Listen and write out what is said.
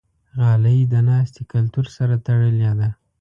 غالۍ د ناستې کلتور سره تړلې ده.